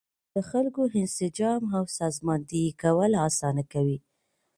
د خلکو انسجام او سازماندهي کول اسانه کوي.